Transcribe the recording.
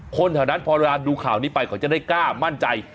คนแถวนั้นพอเวลาดูข่าวนี้ไปเขาจะได้กล้ามั่นใจ